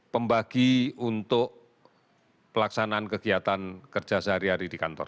pembagi untuk pelaksanaan kegiatan kerja sehari hari di kantor